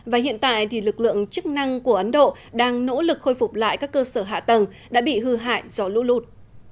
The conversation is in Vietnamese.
và hiện tại thì lực lượng chức năng của ấn độ đang nỗ lực khôi phục lại các cơ sở hạ tầng đã bị hư hại do lũ lụt